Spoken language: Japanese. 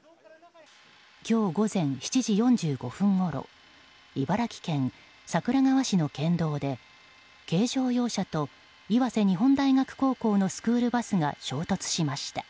今日午前７時４５分ごろ茨城県桜川市の県道で軽乗用車と岩瀬日本大学高校のスクールバスが衝突しました。